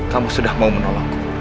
kamu sudah mau menolongku